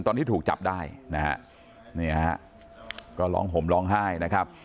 ตอนที่ถูกจับได้นะฮะเนี่ยฮะก็ร้องห่มร้องไห้นะครับ